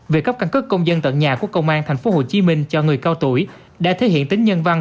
việc cấp căn cứ công dân tận nhà của công an tp hcm cho người cao tuổi đã thể hiện tính nhân văn